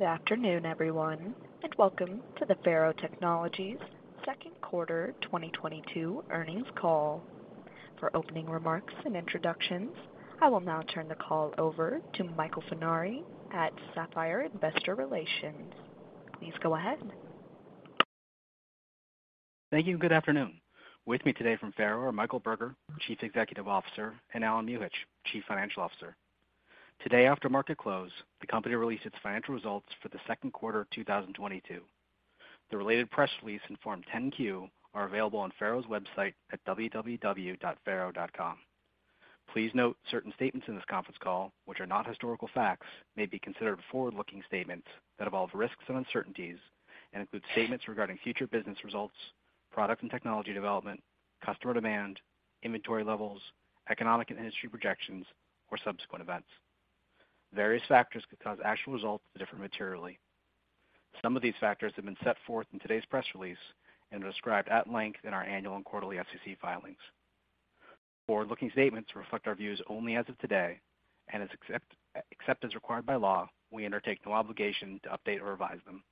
Good afternoon, everyone, and welcome to the FARO Technologies second quarter 2022 earnings call. For opening remarks and introductions, I will now turn the call over to Michael Funari at Sapphire Investor Relations. Please go ahead. Thank you and good afternoon. With me today from FARO are Michael Burger, Chief Executive Officer, and Allen Muhich, Chief Financial Officer. Today after market close, the company released its financial results for the second quarter 2022. The related press release and Form 10-Q are available on FARO's website at www.faro.com. Please note certain statements in this conference call, which are not historical facts, may be considered forward-looking statements that involve risks and uncertainties and include statements regarding future business results, product and technology development, customer demand, inventory levels, economic and industry projections, or subsequent events. Various factors could cause actual results to differ materially. Some of these factors have been set forth in today's press release and are described at length in our annual and quarterly SEC filings. Forward-looking statements reflect our views only as of today, and, except as required by law, we undertake no obligation to update or revise them.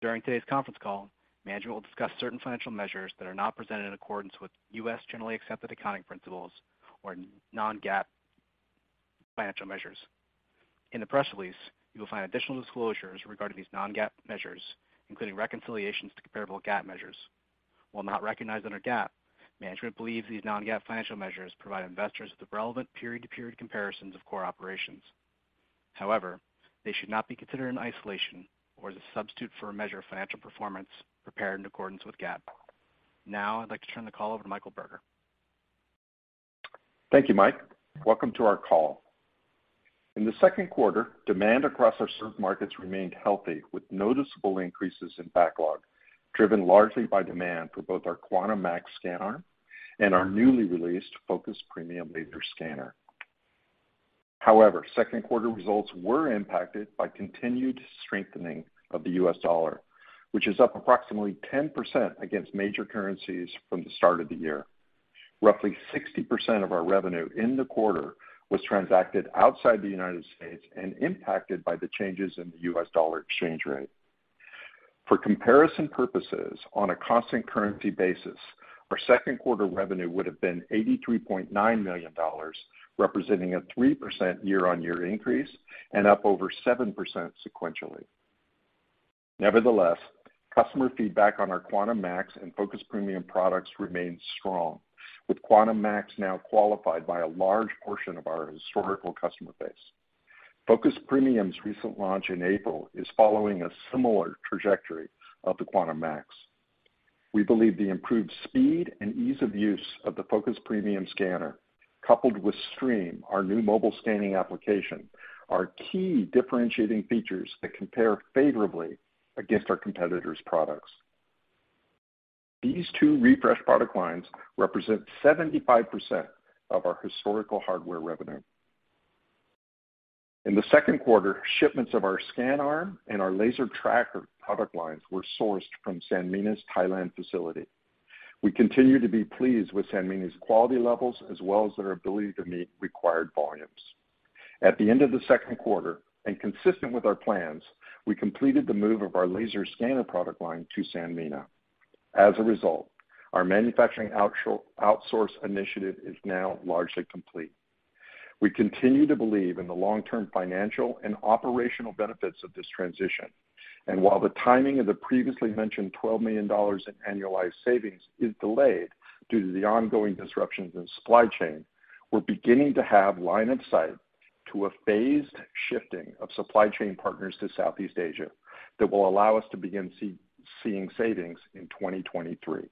During today's conference call, management will discuss certain financial measures that are not presented in accordance with U.S. generally accepted accounting principles, or non-GAAP financial measures. In the press release, you will find additional disclosures regarding these non-GAAP measures, including reconciliations to comparable GAAP measures. While not recognized under GAAP, management believes these non-GAAP financial measures provide investors with the relevant period-to-period comparisons of core operations. However, they should not be considered in isolation or as a substitute for a measure of financial performance prepared in accordance with GAAP. Now I'd like to turn the call over to Michael Burger. Thank you, Mike. Welcome to our call. In the second quarter, demand across our served markets remained healthy with noticeable increases in backlog, driven largely by demand for both our Quantum Max ScanArm and our newly released Focus Premium laser scanner. However, second quarter results were impacted by continued strengthening of the U.S. dollar, which is up approximately 10% against major currencies from the start of the year. Roughly 60% of our revenue in the quarter was transacted outside the United States and impacted by the changes in the U.S. dollar exchange rate. For comparison purposes, on a constant currency basis, our second quarter revenue would have been $83.9 million, representing a 3% year-on-year increase and up over 7% sequentially. Nevertheless, customer feedback on our Quantum Max and Focus Premium products remains strong, with Quantum Max now qualified by a large portion of our historical customer base. Focus Premium's recent launch in April is following a similar trajectory of the Quantum Max. We believe the improved speed and ease of use of the Focus Premium Scanner, coupled with Stream, our new mobile scanning application, are key differentiating features that compare favorably against our competitors' products. These two refreshed product lines represent 75% of our historical hardware revenue. In the second quarter, shipments of our scan arm and our laser tracker product lines were sourced from Sanmina's Thailand facility. We continue to be pleased with Sanmina's quality levels as well as their ability to meet required volumes. At the end of the second quarter, and consistent with our plans, we completed the move of our laser scanner product line to Sanmina. As a result, our manufacturing outsource initiative is now largely complete. We continue to believe in the long-term financial and operational benefits of this transition. While the timing of the previously mentioned $12 million in annualized savings is delayed due to the ongoing disruptions in supply chain, we're beginning to have line of sight to a phased shifting of supply chain partners to Southeast Asia that will allow us to begin seeing savings in 2023.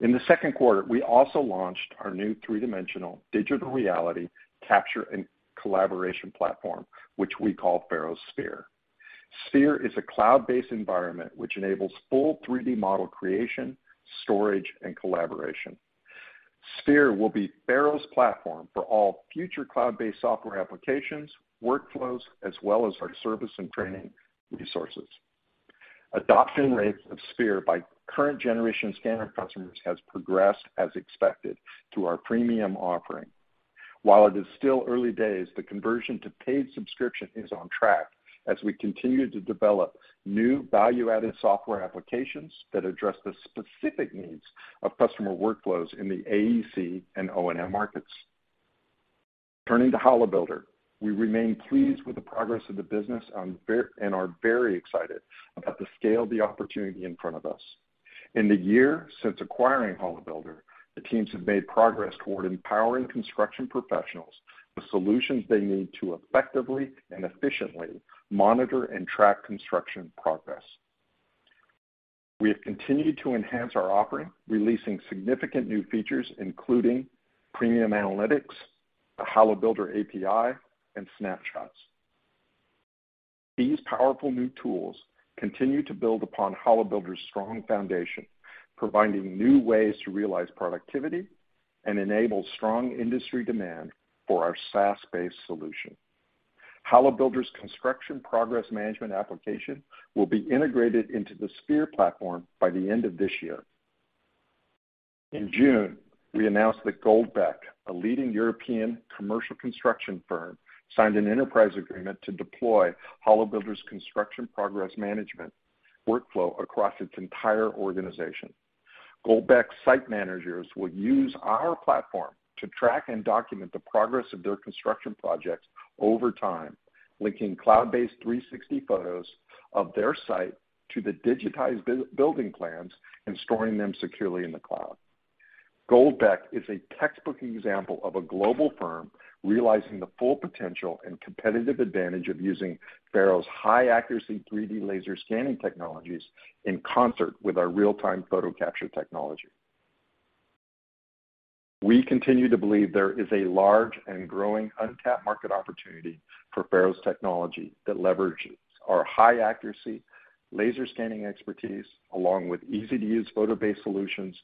In the second quarter, we also launched our new three-dimensional digital reality capture and collaboration platform, which we call FARO Sphere. Sphere is a cloud-based environment which enables full 3D model creation, storage, and collaboration. Sphere will be FARO's platform for all future cloud-based software applications, workflows, as well as our service and training resources. Adoption rates of Sphere by current generation scanner customers has progressed as expected through our premium offering. While it is still early days, the conversion to paid subscription is on track as we continue to develop new value-added software applications that address the specific needs of customer workflows in the AEC and O&M markets. Turning to HoloBuilder, we remain pleased with the progress of the business and are very excited about the scale of the opportunity in front of us. In the year since acquiring HoloBuilder, the teams have made progress toward empowering construction professionals, the solutions they need to effectively and efficiently monitor and track construction progress. We have continued to enhance our offering, releasing significant new features, including premium analytics, the HoloBuilder API, and snapshots. These powerful new tools continue to build upon HoloBuilder's strong foundation, providing new ways to realize productivity and enable strong industry demand for our SaaS-based solution. HoloBuilder's construction progress management application will be integrated into the Sphere platform by the end of this year. In June, we announced that GOLDBECK, a leading European commercial construction firm, signed an enterprise agreement to deploy HoloBuilder's construction progress management workflow across its entire organization. GOLDBECK site managers will use our platform to track and document the progress of their construction projects over time, linking cloud-based 360 photos of their site to the digitized building plans and storing them securely in the cloud. GOLDBECK is a textbook example of a global firm realizing the full potential and competitive advantage of using FARO's high-accuracy 3D laser-scanning technologies in concert with our real-time photo capture technology. We continue to believe there is a large and growing untapped market opportunity for FARO's technology that leverages our high-accuracy laser-scanning expertise along with easy-to-use photo-based solutions,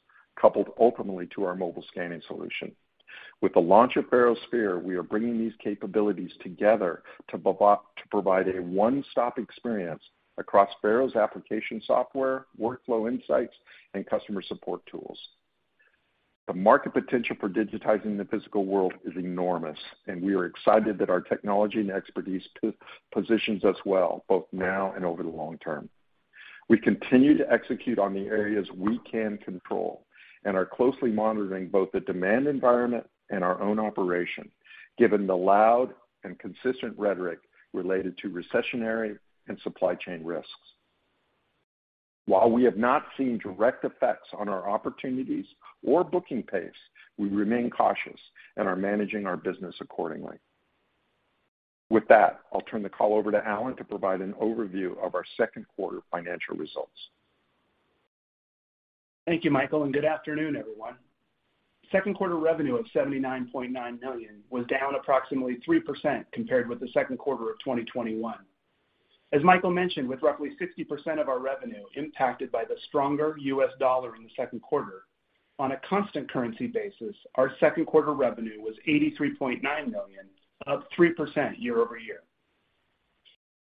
coupled ultimately to our mobile scanning solution. With the launch of FARO Sphere, we are bringing these capabilities together to provide a one-stop experience across FARO's application software, workflow insights, and customer support tools. The market potential for digitizing the physical world is enormous, and we are excited that our technology and expertise positions us well, both now and over the long term. We continue to execute on the areas we can control and are closely monitoring both the demand environment and our own operation, given the loud and consistent rhetoric related to recessionary and supply chain risks. While we have not seen direct effects on our opportunities or booking pace, we remain cautious and are managing our business accordingly. With that, I'll turn the call over to Allen Muhich to provide an overview of our second quarter financial results. Thank you, Michael, and good afternoon, everyone. Second quarter revenue of $79.9 million was down approximately 3% compared with the second quarter of 2021. As Michael mentioned, with roughly 60% of our revenue impacted by the stronger US dollar in the second quarter, on a constant currency basis, our second quarter revenue was $83.9 million, up 3% year-over-year.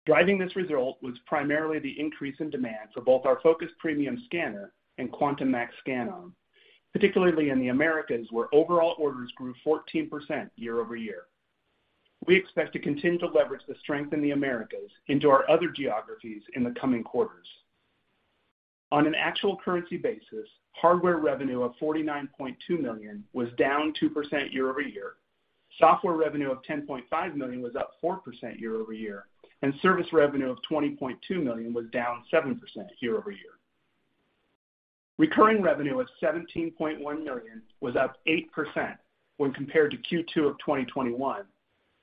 Driving this result was primarily the increase in demand for both our Focus Premium Scanner and Quantum Max ScanArm, particularly in the Americas, where overall orders grew 14% year-over-year. We expect to continue to leverage the strength in the Americas into our other geographies in the coming quarters. On an actual currency basis, hardware revenue of $49.2 million was down 2% year-over-year. Software revenue of $10.5 million was up 4% year-over-year, and service revenue of $20.2 million was down 7% year-over-year. Recurring revenue of $17.1 million was up 8% when compared to Q2 of 2021,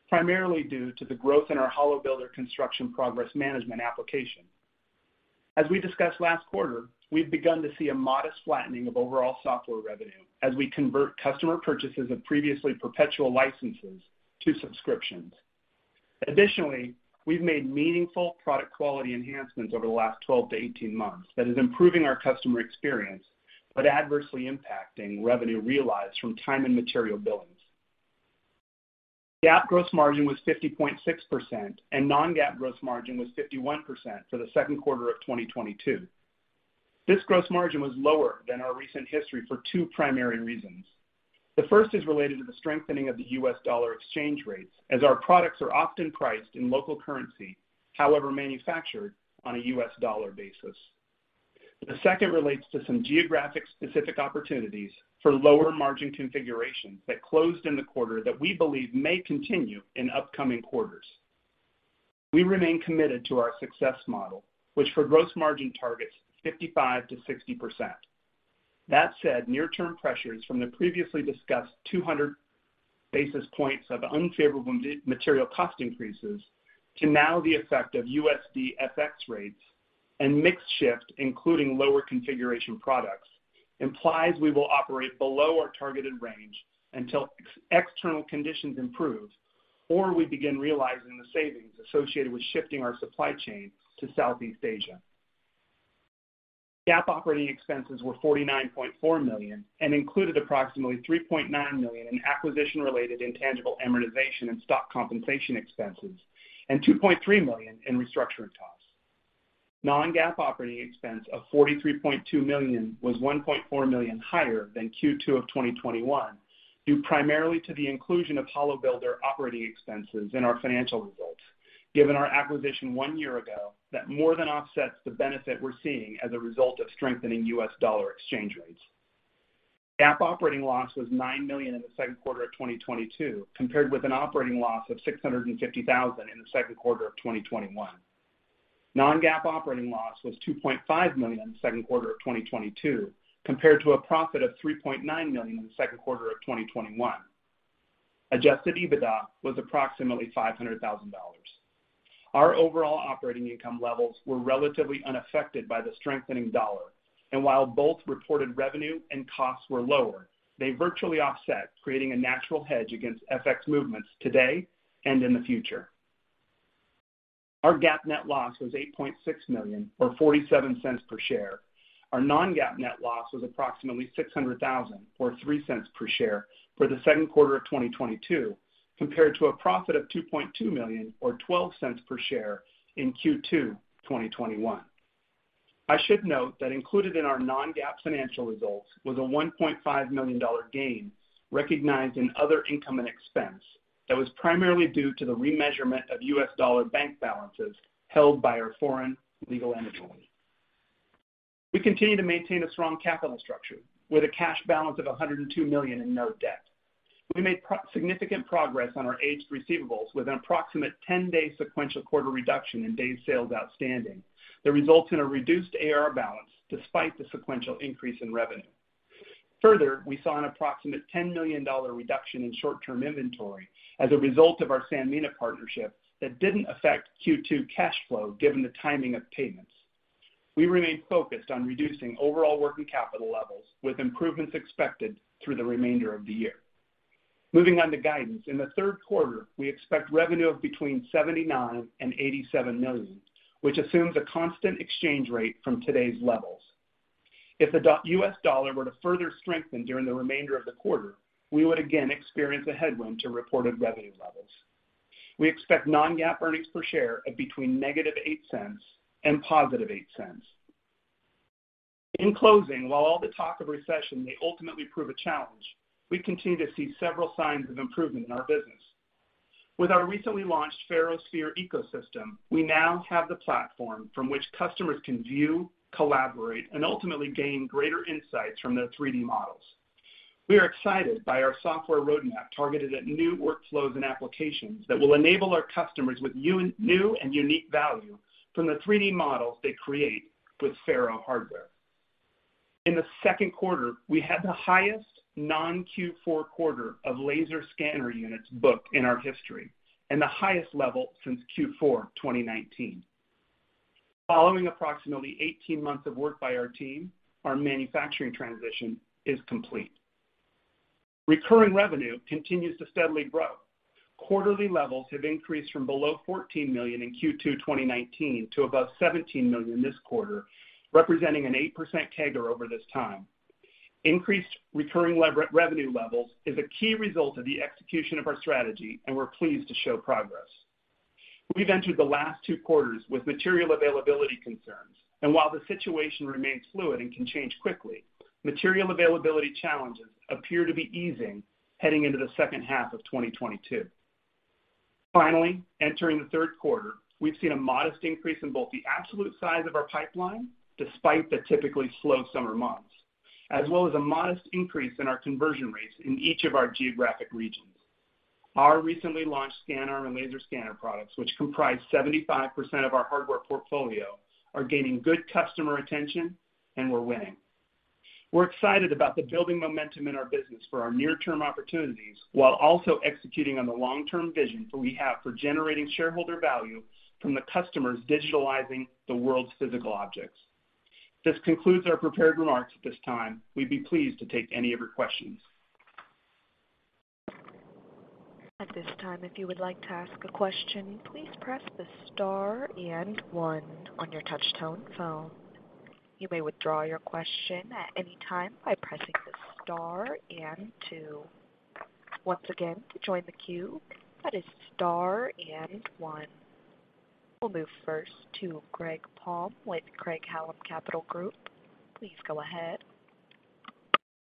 primarily due to the growth in our HoloBuilder construction progress management application. As we discussed last quarter, we've begun to see a modest flattening of overall software revenue as we convert customer purchases of previously perpetual licenses to subscriptions. Additionally, we've made meaningful product quality enhancements over the last 12-18 months that is improving our customer experience, but adversely impacting revenue realized from time and material billings. GAAP gross margin was 50.6%, and non-GAAP gross margin was 51% for the second quarter of 2022. This gross margin was lower than our recent history for two primary reasons. The first is related to the strengthening of the U.S. dollar exchange rates as our products are often priced in local currency, however manufactured on a U.S. dollar basis. The second relates to some geographic-specific opportunities for lower margin configurations that closed in the quarter that we believe may continue in upcoming quarters. We remain committed to our success model, which for gross margin targets 55%-60%. That said, near-term pressures from the previously discussed 200 basis points of unfavorable material cost increases to now the effect of USD FX rates and mix shift, including lower configuration products, implies we will operate below our targeted range until external conditions improve or we begin realizing the savings associated with shifting our supply chain to Southeast Asia. GAAP operating expenses were $49.4 million and included approximately $3.9 million in acquisition-related intangible amortization and stock compensation expenses and $2.3 million in restructuring costs. Non-GAAP operating expense of $43.2 million was $1.4 million higher than Q2 of 2021, due primarily to the inclusion of HoloBuilder operating expenses in our financial results, given our acquisition one year ago that more than offsets the benefit we're seeing as a result of strengthening US dollar exchange rates. GAAP operating loss was $9 million in the second quarter of 2022, compared with an operating loss of $650 thousand in the second quarter of 2021. Non-GAAP operating loss was $2.5 million in the second quarter of 2022, compared to a profit of $3.9 million in the second quarter of 2021. Adjusted EBITDA was approximately $500 thousand. Our overall operating income levels were relatively unaffected by the strengthening dollar, and while both reported revenue and costs were lower, they virtually offset, creating a natural hedge against FX movements today and in the future. Our GAAP net loss was $8.6 million or $0.47 per share. Our non-GAAP net loss was approximately $600 thousand or $0.03 per share for the second quarter of 2022. Compared to a profit of $2.2 million or $0.12 per share in Q2 2021. I should note that included in our non-GAAP financial results was a $1.5 million gain recognized in other income and expense that was primarily due to the remeasurement of US dollar bank balances held by our foreign legal entity. We continue to maintain a strong capital structure with a cash balance of $102 million and no debt. We made significant progress on our aged receivables with an approximate 10-day sequential quarter reduction in days sales outstanding that results in a reduced AR balance despite the sequential increase in revenue. Further, we saw an approximate $10 million reduction in short-term inventory as a result of our Sanmina partnership that didn't affect Q2 cash flow given the timing of payments. We remain focused on reducing overall working capital levels, with improvements expected through the remainder of the year. Moving on to guidance. In the third quarter, we expect revenue of between $79 million and $87 million, which assumes a constant exchange rate from today's levels. If the U.S. dollar were to further strengthen during the remainder of the quarter, we would again experience a headwind to reported revenue levels. We expect non-GAAP earnings per share of between -$0.08 and $0.08. While all the talk of recession may ultimately prove a challenge, we continue to see several signs of improvement in our business. With our recently launched FARO Sphere ecosystem, we now have the platform from which customers can view, collaborate, and ultimately gain greater insights from their 3D models. We are excited by our software roadmap targeted at new workflows and applications that will enable our customers with new and unique value from the 3D models they create with FARO hardware. In the second quarter, we had the highest non-Q4 quarter of laser scanner units booked in our history and the highest level since Q4 2019. Following approximately 18 months of work by our team, our manufacturing transition is complete. Recurring revenue continues to steadily grow. Quarterly levels have increased from below $14 million in Q2 2019 to above $17 million this quarter, representing an 8% CAGR over this time. Increased recurring revenue levels is a key result of the execution of our strategy, and we're pleased to show progress. We've entered the last two quarters with material availability concerns, and while the situation remains fluid and can change quickly, material availability challenges appear to be easing heading into the second half of 2022. Finally, entering the third quarter, we've seen a modest increase in both the absolute size of our pipeline despite the typically slow summer months, as well as a modest increase in our conversion rates in each of our geographic regions. Our recently launched scanner and laser scanner products, which comprise 75% of our hardware portfolio, are gaining good customer attention, and we're winning. We're excited about the building momentum in our business for our near-term opportunities while also executing on the long-term vision we have for generating shareholder value from the customers digitalizing the world's physical objects. This concludes our prepared remarks at this time. We'd be pleased to take any of your questions. At this time, if you would like to ask a question, please press the star and one on your touchtone phone. You may withdraw your question at any time by pressing the star and two. Once again, to join the queue, that is star and one. We'll move first to Greg Palm with Craig-Hallum Capital Group. Please go ahead.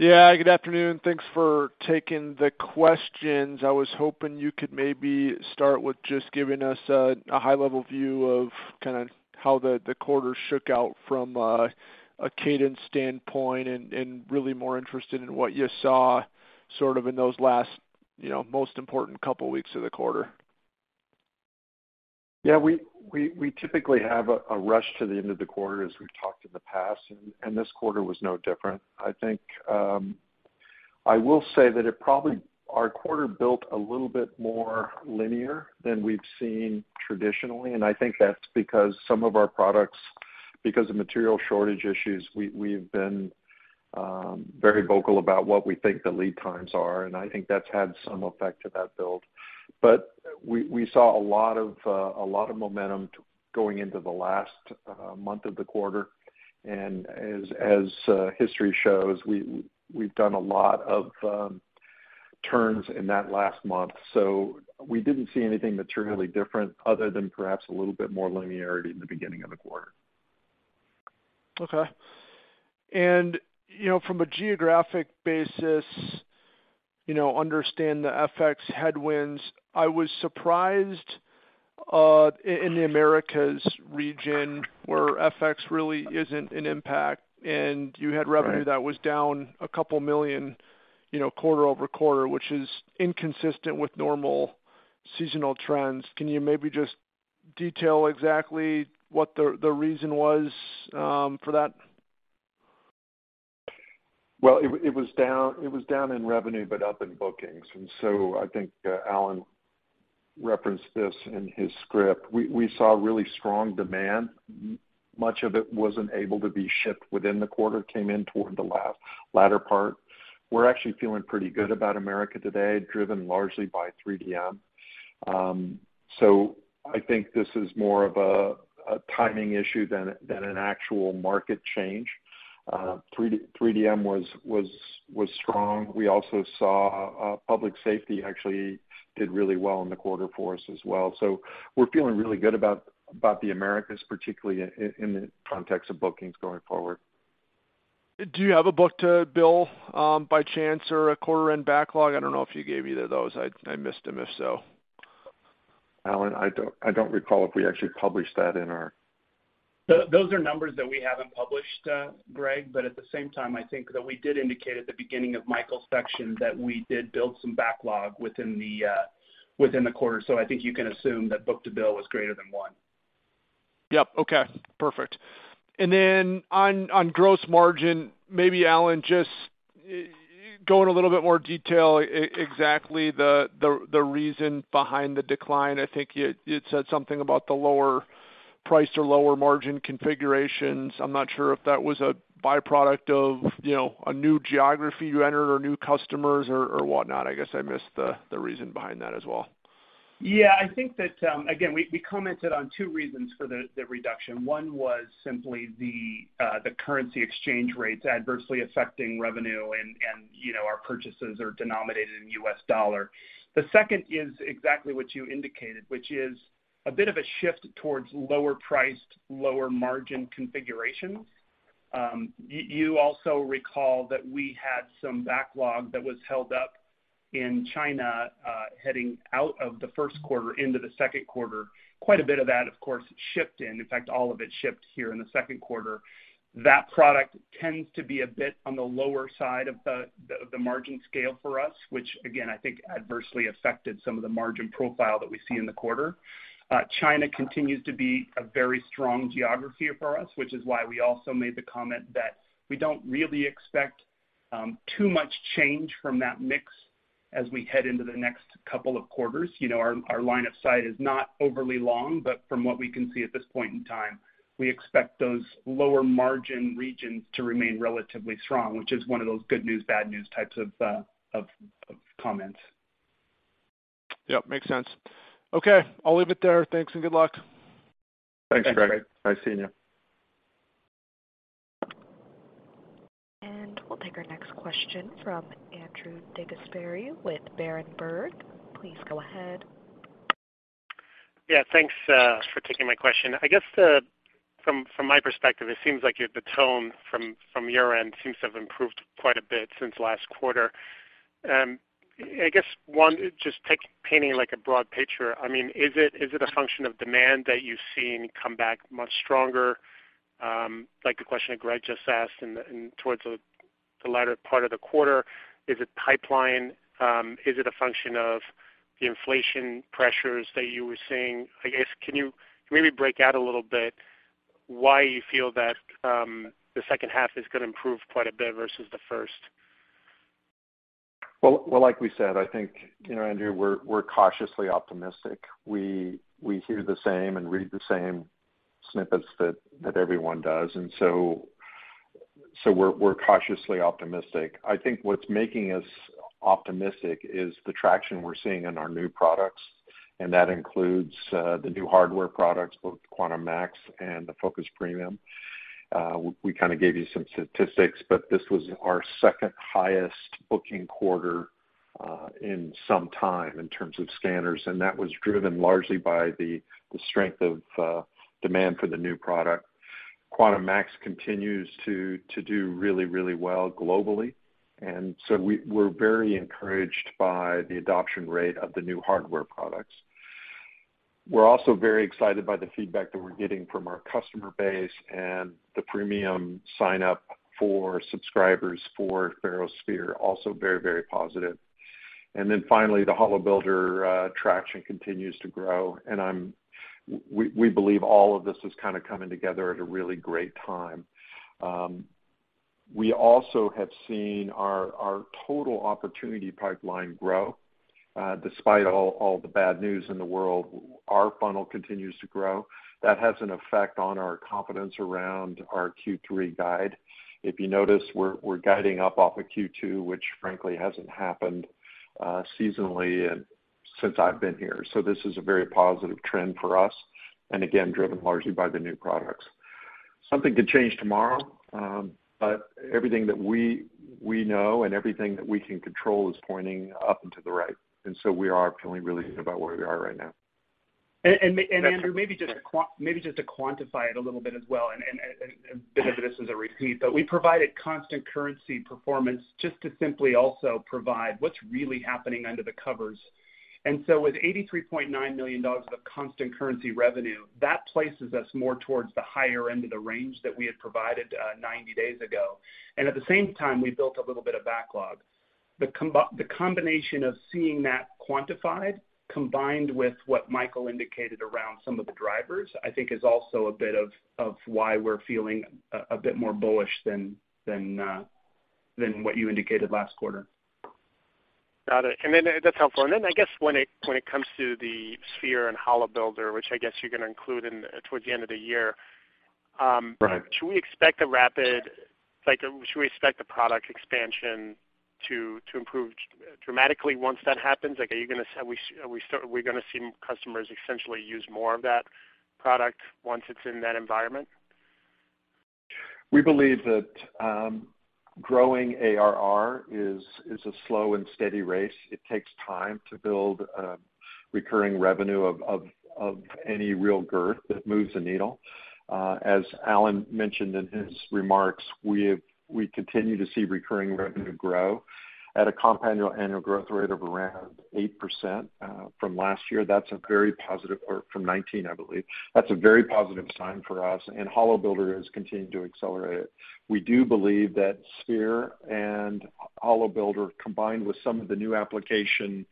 Yeah, good afternoon. Thanks for taking the questions. I was hoping you could maybe start with just giving us a high-level view of kinda how the quarter shook out from a cadence standpoint and really more interested in what you saw sort of in those last, you know, most important couple weeks of the quarter. Yeah, we typically have a rush to the end of the quarter as we've talked in the past and this quarter was no different. I think I will say that it probably our quarter built a little bit more linear than we've seen traditionally, and I think that's because some of our products, because of material shortage issues, we've been very vocal about what we think the lead times are, and I think that's had some effect to that build. We saw a lot of momentum going into the last month of the quarter. As history shows, we've done a lot of turns in that last month. We didn't see anything materially different other than perhaps a little bit more linearity in the beginning of the quarter. Okay. You know, from a geographic basis, you know, understand the FX headwinds. I was surprised in the Americas region where FX really isn't an impact, and you had revenue- Right that was down $2 million, you know, quarter-over-quarter, which is inconsistent with normal seasonal trends. Can you maybe just detail exactly what the reason was for that? Well, it was down in revenue, but up in bookings. I think Allen referenced this in his script. We saw really strong demand. Much of it wasn't able to be shipped within the quarter, came in toward the latter part. We're actually feeling pretty good about America today, driven largely by 3DM. I think this is more of a timing issue than an actual market change. 3DM was strong. We also saw public safety actually did really well in the quarter for us as well. We're feeling really good about the Americas, particularly in the context of bookings going forward. Do you have a book-to-bill, by chance, or a quarter-end backlog? I don't know if you gave either of those. I missed them, if so. Allen, I don't recall if we actually published that in our. Those are numbers that we haven't published, Greg. At the same time, I think that we did indicate at the beginning of Michael's section that we did build some backlog within the quarter. I think you can assume that book to bill was greater than one. Yep. Okay. Perfect. On gross margin, maybe Allen, just go in a little bit more detail exactly the reason behind the decline. I think you'd said something about the lower price or lower margin configurations. I'm not sure if that was a by-product of, you know, a new geography you entered or new customers or whatnot. I guess I missed the reason behind that as well. Yeah. I think that, again, we commented on 2 reasons for the reduction. One was simply the currency exchange rates adversely affecting revenue. You know, our purchases are denominated in U.S. dollar. The second is exactly what you indicated, which is a bit of a shift towards lower priced, lower margin configurations. You also recall that we had some backlog that was held up in China, heading out of the first quarter into the second quarter. Quite a bit of that, of course, shipped in. In fact, all of it shipped here in the second quarter. That product tends to be a bit on the lower side of the margin scale for us, which again, I think adversely affected some of the margin profile that we see in the quarter. China continues to be a very strong geography for us, which is why we also made the comment that we don't really expect too much change from that mix as we head into the next couple of quarters. You know, our line of sight is not overly long, but from what we can see at this point in time, we expect those lower margin regions to remain relatively strong, which is one of those good news, bad news types of comments. Yep. Makes sense. Okay. I'll leave it there. Thanks and good luck. Thanks, Greg. Thanks, Greg. Nice seeing you. We'll take our next question from Andrew DeGasperi with Berenberg. Please go ahead. Yeah. Thanks for taking my question. I guess from my perspective, it seems like the tone from your end seems to have improved quite a bit since last quarter. I guess painting like a broad picture, I mean, is it a function of demand that you've seen come back much stronger? Like the question that Greg just asked in the latter part of the quarter, is it pipeline? Is it a function of the inflation pressures that you were seeing? I guess, can you maybe break out a little bit why you feel that the second half is gonna improve quite a bit versus the first? Well, like we said, I think, you know, Andrew, we're cautiously optimistic. We hear the same and read the same snippets that everyone does, so we're cautiously optimistic. I think what's making us optimistic is the traction we're seeing in our new products, and that includes the new hardware products, both Quantum Max and the Focus Premium. We kind of gave you some statistics, but this was our second highest booking quarter in some time in terms of scanners. That was driven largely by the strength of demand for the new product. Quantum Max continues to do really well globally. We're very encouraged by the adoption rate of the new hardware products. We're also very excited by the feedback that we're getting from our customer base and the premium sign up for subscribers for FARO Sphere, also very, very positive. Then finally, the HoloBuilder traction continues to grow. We believe all of this is kind of coming together at a really great time. We also have seen our total opportunity pipeline grow. Despite all the bad news in the world, our funnel continues to grow. That has an effect on our confidence around our Q3 guide. If you notice, we're guiding up off of Q2, which frankly hasn't happened seasonally since I've been here. This is a very positive trend for us, and again, driven largely by the new products. Something could change tomorrow, but everything that we know and everything that we can control is pointing up and to the right. We are feeling really good about where we are right now. And, and Ma- Andrew- Andrew, maybe just to quantify it a little bit as well, and a bit of this is a repeat, but we provided constant currency performance just to simply also provide what's really happening under the covers. With $83.9 million of constant currency revenue, that places us more towards the higher end of the range that we had provided 90 days ago. At the same time, we built a little bit of backlog. The combination of seeing that quantified, combined with what Michael indicated around some of the drivers, I think is also a bit of why we're feeling a bit more bullish than what you indicated last quarter. Got it. That's helpful. I guess when it comes to the Sphere and HoloBuilder, which I guess you're gonna include it towards the end of the year, should we expect the product expansion to improve dramatically once that happens? Like, are we gonna see customers essentially use more of that product once it's in that environment? We believe that growing ARR is a slow and steady race. It takes time to build recurring revenue of any real girth that moves the needle. As Allen mentioned in his remarks, we continue to see recurring revenue grow at a compound annual growth rate of around 8% from 2019, I believe. That's a very positive sign for us, and HoloBuilder has continued to accelerate it. We do believe that Sphere and HoloBuilder, combined with some of the new application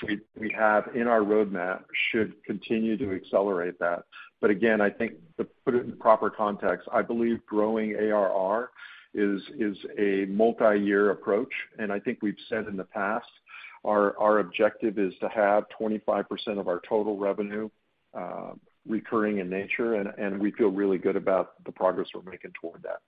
suite we have in our roadmap, should continue to accelerate that. Again, I think to put it in proper context, I believe growing ARR is a multi-year approach. I think we've said in the past, our objective is to have 25% of our total revenue recurring in nature, and we feel really good about the progress we're making toward that.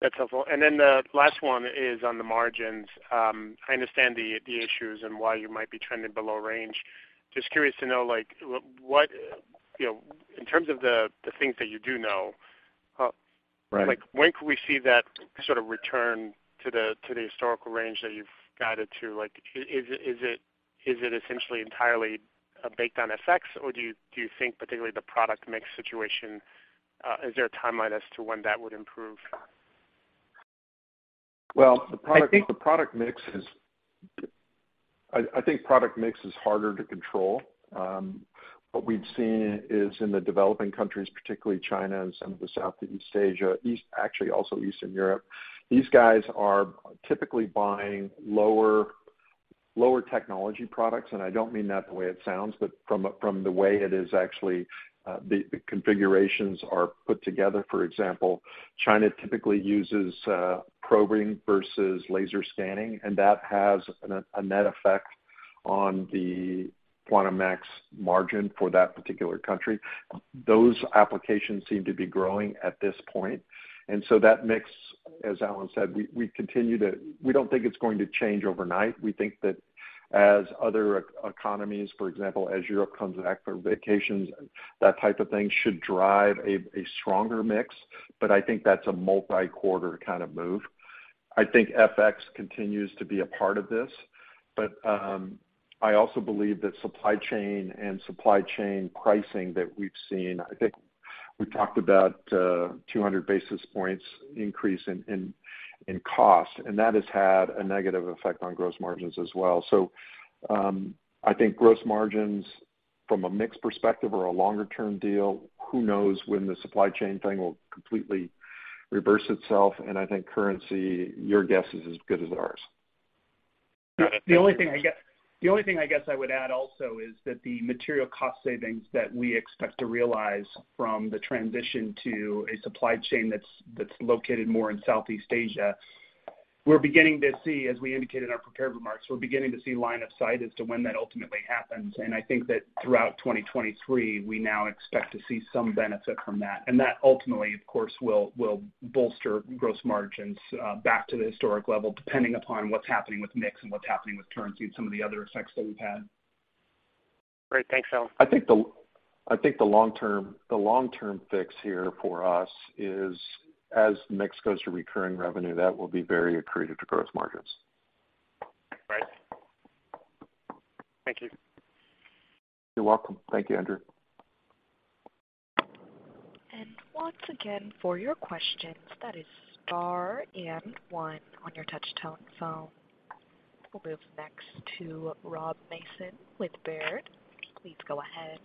That's helpful. The last one is on the margins. I understand the issues and why you might be trending below range. Just curious to know, like, what, you know, in terms of the things that you do know. Right. Like, when can we see that sort of return to the historical range that you've guided to? Like, is it essentially entirely baked on FX, or do you think particularly the product mix situation is there a timeline as to when that would improve? Well, the product mix is. I think product mix is harder to control. What we've seen is in the developing countries, particularly China and some of the Southeast Asia, actually also Eastern Europe, these guys are typically buying lower technology products. I don't mean that the way it sounds, but from the way it is actually, the configurations are put together. For example, China typically uses probing versus laser scanning, and that has a net effect on the Quantum Max margin for that particular country. Those applications seem to be growing at this point. That mix, as Allen said, we continue to. We don't think it's going to change overnight. We think that as other economies, for example, as Europe comes back from vacations, that type of thing should drive a stronger mix. I think that's a multi-quarter kind of move. I think FX continues to be a part of this. I also believe that supply chain and supply chain pricing that we've seen, I think we talked about, 200 basis points increase in cost, and that has had a negative effect on gross margins as well. I think gross margins from a mix perspective or a longer-term deal, who knows when the supply chain thing will completely reverse itself. I think currency, your guess is as good as ours. The only thing I guess I would add also is that the material cost savings that we expect to realize from the transition to a supply chain that's located more in Southeast Asia, we're beginning to see, as we indicated in our prepared remarks, line of sight as to when that ultimately happens. I think that throughout 2023, we now expect to see some benefit from that. That ultimately, of course, will bolster gross margins back to the historic level, depending upon what's happening with mix and what's happening with currency and some of the other effects that we've had. Great. Thanks, Allen. I think the long-term fix here for us is as mix goes to recurring revenue, that will be very accretive to gross margins. Right. Thank you. You're welcome. Thank you, Andrew. Once again, for your questions, that is star and one on your touch-tone phone. We'll move next to Rob Mason with Baird. Please go ahead.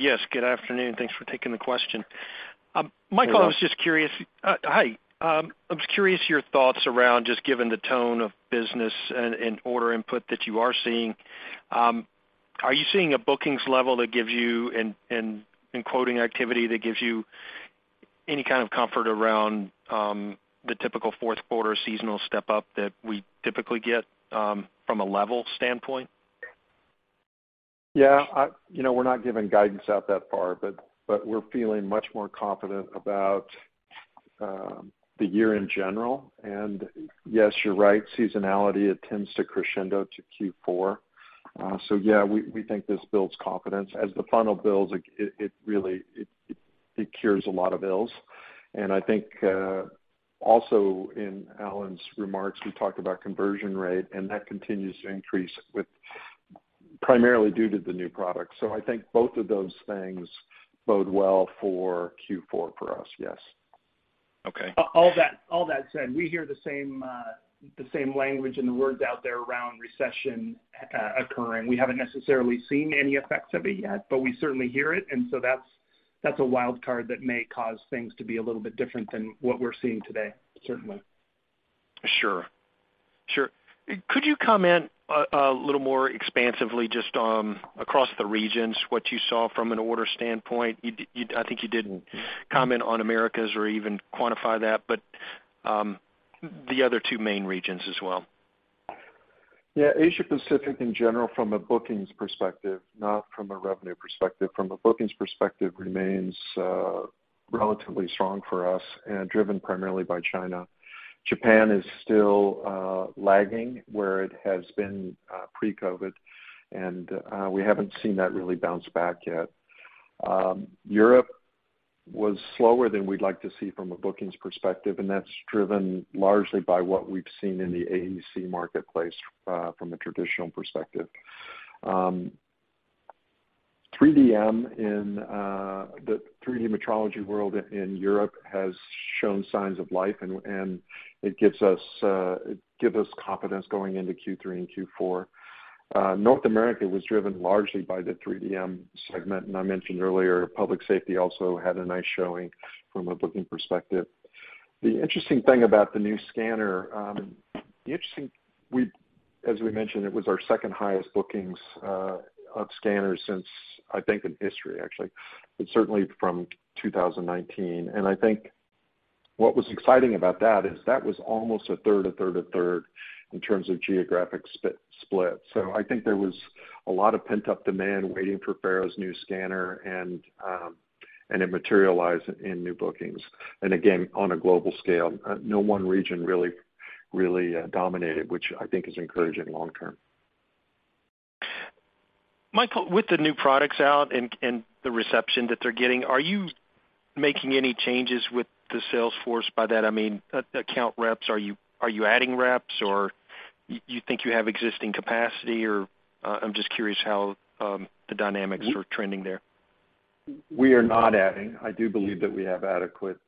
Yes. Good afternoon. Thanks for taking the question. Michael. Hello. I was just curious your thoughts around just given the tone of business and order input that you are seeing, are you seeing a bookings level that gives you and quoting activity that gives you any kind of comfort around the typical fourth quarter seasonal step-up that we typically get from a level standpoint? Yeah. You know, we're not giving guidance out that far, but we're feeling much more confident about the year in general. Yes, you're right, seasonality tends to crescendo to Q4. Yeah, we think this builds confidence. As the funnel builds, it really cures a lot of ills. I think also in Allen's remarks, he talked about conversion rate, and that continues to increase, primarily due to the new products. I think both of those things bode well for Q4 for us, yes. Okay. All that said, we hear the same language and the words out there around recession occurring. We haven't necessarily seen any effects of it yet, but we certainly hear it. That's a wild card that may cause things to be a little bit different than what we're seeing today, certainly. Sure. Could you comment a little more expansively just across the regions, what you saw from an order standpoint? I think you didn't comment on Americas or even quantify that, but the other two main regions as well. Yeah, Asia Pacific in general, from a bookings perspective, not from a revenue perspective, from a bookings perspective, remains relatively strong for us and driven primarily by China. Japan is still lagging where it has been pre-COVID, and we haven't seen that really bounce back yet. Europe was slower than we'd like to see from a bookings perspective, and that's driven largely by what we've seen in the AEC marketplace from a traditional perspective. 3DM in the three-dimensional world in Europe has shown signs of life, and it gives us confidence going into Q3 and Q4. North America was driven largely by the 3DM segment, and I mentioned earlier, public safety also had a nice showing from a booking perspective. The interesting thing about the new scanner, as we mentioned, it was our second-highest bookings of scanners since, I think, in history, actually, but certainly from 2019. I think what was exciting about that is that was almost a third in terms of geographic split. I think there was a lot of pent-up demand waiting for FARO's new scanner, and it materialized in new bookings. Again, on a global scale, no one region really dominated, which I think is encouraging long term. Michael, with the new products out and the reception that they're getting, are you making any changes with the sales force? By that I mean, account reps. Are you adding reps or you think you have existing capacity or, I'm just curious how the dynamics are trending there. We are not adding. I do believe that we have adequate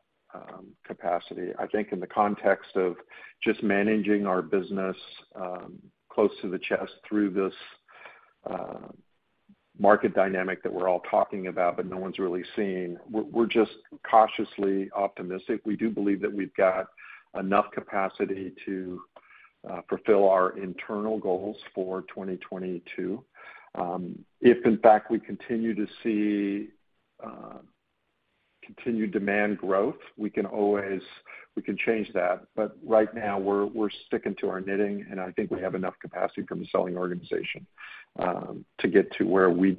capacity. I think in the context of just managing our business close to the vest through this market dynamic that we're all talking about but no one's really seeing, we're just cautiously optimistic. We do believe that we've got enough capacity to fulfill our internal goals for 2022. If in fact we continue to see continued demand growth, we can always change that. Right now, we're sticking to our knitting, and I think we have enough capacity from a selling organization to get to where we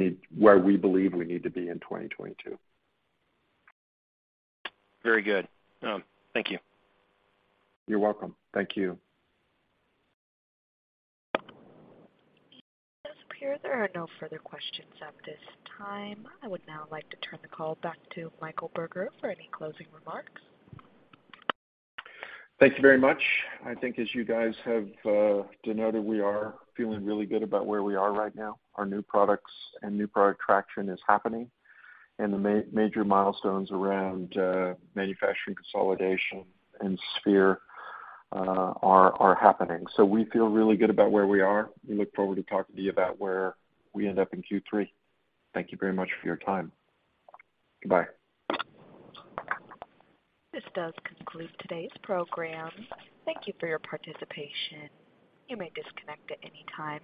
believe we need to be in 2022. Very good. Thank you. You're welcome. Thank you. It does appear there are no further questions at this time. I would now like to turn the call back to Michael Burger for any closing remarks. Thank you very much. I think as you guys have denoted, we are feeling really good about where we are right now. Our new products and new product traction is happening, and the major milestones around manufacturing consolidation and Sphere are happening. We feel really good about where we are. We look forward to talking to you about where we end up in Q3. Thank you very much for your time. Goodbye. This does conclude today's program. Thank you for your participation. You may disconnect at any time.